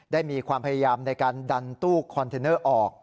มีความพยายามในการดันตู้คอนเทนเนอร์ออก